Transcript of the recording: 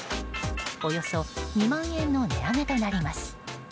およそ２万円の値上げとなります。